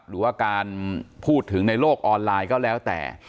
หรือว่าการพูดถึงในโลกออนไลน์ก็แล้วแต่